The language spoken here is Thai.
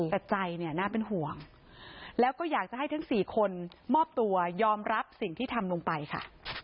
แต่ใจเนี่ยน่าเป็นห่วงแล้วก็อยากจะให้ทั้ง๔คนมอบตัวยอมรับสิ่งที่ทำลงไปค่ะ